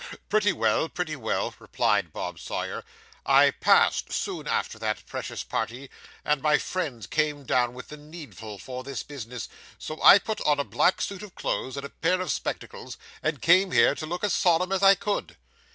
'Pretty well, pretty well,' replied Bob Sawyer. 'I passed, soon after that precious party, and my friends came down with the needful for this business; so I put on a black suit of clothes, and a pair of spectacles, and came here to look as solemn as I could.